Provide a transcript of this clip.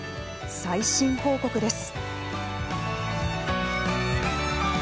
最新報告です。